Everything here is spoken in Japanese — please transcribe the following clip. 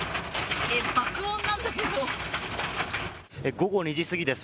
午後２時過ぎです。